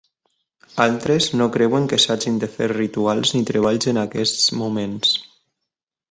Altres no creuen que s'hagin de fer rituals ni treballs en aquests moments.